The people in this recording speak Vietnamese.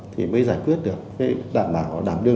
thì mới giải quyết được đảm bảo đảm đương